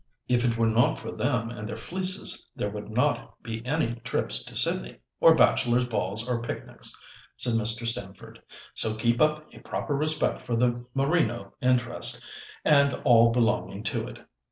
"If it were not for them and their fleeces there would not be any trips to Sydney, or bachelors' balls, or picnics," said Mr. Stamford; "so keep up a proper respect for the merino interest, and all belonging to it."